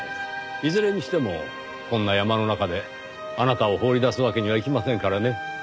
いずれにしてもこんな山の中であなたを放り出すわけにはいきませんからね。